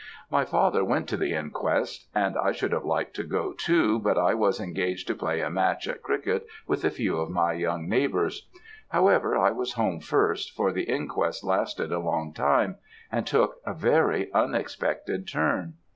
"My father went to the inquest; and I should have liked to go, too, but I was engaged to play a match at cricket with a few of my young neighbours. However, I was home first, for the inquest lasted a long time, and took a very unexpected turn.